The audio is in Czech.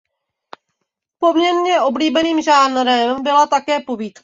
Poměrně oblíbeným žánrem byla také povídka.